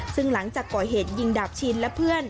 ซึ่งหลังจากก่อเหตุยิงดาบชินและเพื่อน